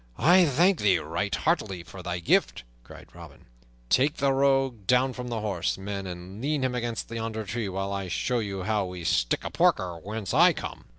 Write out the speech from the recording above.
"I thank thee right heartily for thy gift," cried Robin. "Take the rogue down from the horse, men, and lean him against yonder tree, while I show you how we stick a porker whence I come!"